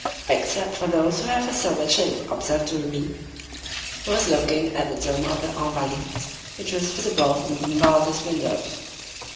"Except for those who have a silver chin," observed Tholomyès. He was looking at the dome of the Invalides, which was visible from Bombarda's windows.